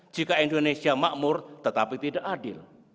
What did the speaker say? jika indonesia makmur tetapi tidak adil